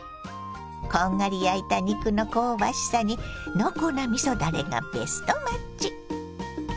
こんがり焼いた肉の香ばしさに濃厚なみそだれがベストマッチ。